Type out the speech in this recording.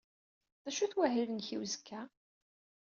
D acu-t wahil-nnek i uzekka?